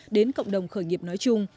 đến cộng đồng khởi nghiệp nói chung